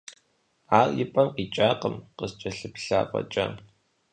Ар и пӀэм къикӀакъым, къыскӀэлъыплъа фӀэкӀа.